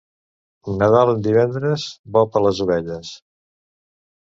Nadal en divendres, bo per les ovelles.